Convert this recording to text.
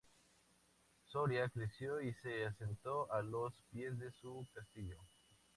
Soria creció y se asentó a los pies de su castillo.